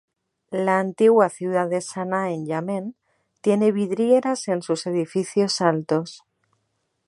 La antigua ciudad de Saná en Yemen tiene vidrieras en sus edificios altos.